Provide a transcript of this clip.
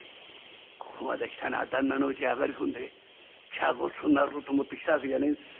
「ここまで来たのは旦那のうちへ上がり込んで茶ごちそうになろうと思って来たわけじゃねえんです。